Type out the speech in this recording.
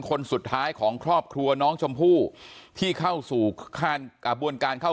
คนสุดท้ายของครอบครัวน้องชมพู่ที่เข้าสู่กระบวนการเข้า